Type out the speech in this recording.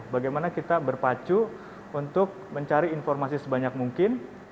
bagaimana kita berpacu untuk mencari informasi sebanyak mungkin